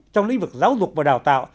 trong lĩnh vực giáo dục và đào tạo